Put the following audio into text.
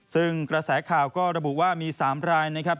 ซึ่งกระแสข่าวก็ระบุว่ามี๓รายนะครับ